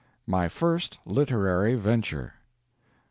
MY FIRST LITERARY VENTURE.